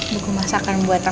buku masakan buat aku mana